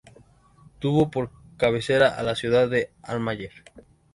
Tuvo por cabecera a la ciudad de Almaguer.